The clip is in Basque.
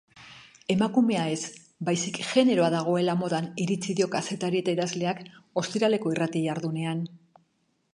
Emakumea ez baizik generoa dagoela modan iritzi dio kazetari eta idazleak ostiraleko irrati-jardunean.